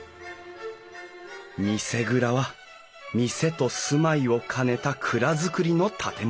見世蔵は店と住まいを兼ねた蔵造りの建物。